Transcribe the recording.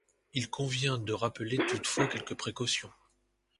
Il convient de rappeler toutefois quelques précautions.